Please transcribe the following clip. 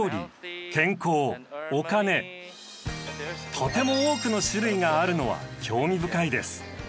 とても多くの種類があるのは興味深いです。